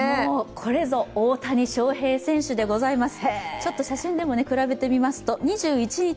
これぞ大谷翔平選手でございます。